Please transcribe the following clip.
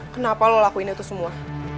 kenapa lo lakuin itu semua